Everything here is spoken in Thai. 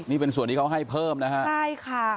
นี่เป็นส่วนที่เขาให้เพิ่มนะฮะใช่ค่ะ